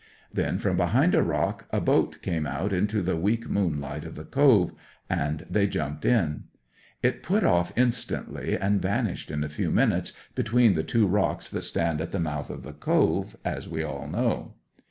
Then, from behind a rock, a boat came out into the weak moonlight of the Cove, and they jumped in; it put off instantly, and vanished in a few minutes between the two rocks that stand at the mouth of the Cove as we all know.